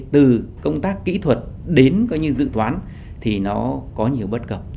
từ công tác kỹ thuật đến dự toán thì nó có nhiều bất cập